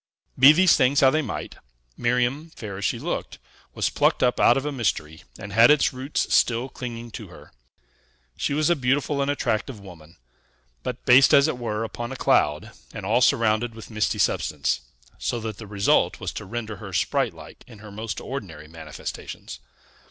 Be these things how they might, Miriam, fair as she looked, was plucked up out of a mystery, and had its roots still clinging to her. She was a beautiful and attractive woman, but based, as it were, upon a cloud, and all surrounded with misty substance; so that the result was to render her sprite like in her most ordinary manifestations.